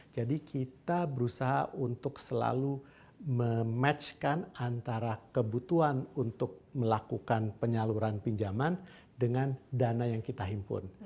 jadi kita berusaha untuk selalu mematchkan antara kebutuhan untuk melakukan penyaluran pinjaman dengan dana yang kita himpun